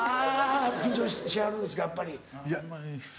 緊張しはるんですかやっぱり。